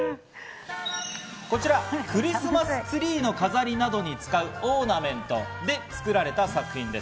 こちら、クリスマスツリーの飾りなどに使うオーナメントで作られた作品です。